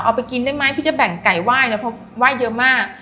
เอาไปกินได้ไหมพี่จะแบ่งไก่ไหว้นะเพราะไหว้เยอะมาก